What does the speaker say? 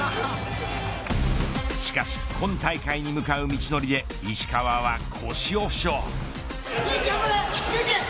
しかし、今大会に向かう道のりで石川は腰を負傷。